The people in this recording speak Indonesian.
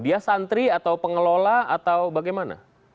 dia santri atau pengelola atau bagaimana